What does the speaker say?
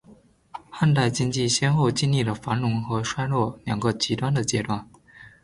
汉代经济先后经历了繁荣和衰落两个极端的阶段。